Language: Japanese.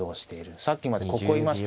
さっきまでここいましたからね。